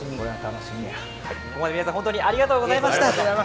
ここまで皆さん本当にありがとうございました。